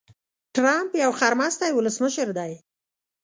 ټرمپ يو خرمستی ولسمشر دي.